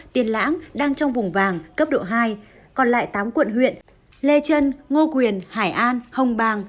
tiền lãng đang trong vùng vàng cấp độ hai còn lại tám quận huyện lê trân ngô quyền hải an hồng bàng